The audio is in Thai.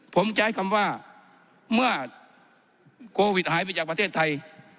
ผมใช้คำว่าเมื่อโควิดหายไปจากประเทศไทย